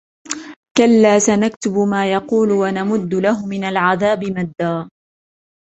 كَلَّا سَنَكْتُبُ مَا يَقُولُ وَنَمُدُّ لَهُ مِنَ الْعَذَابِ مَدًّا